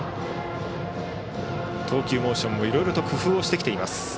投球モーションもいろいろと工夫をしてきています。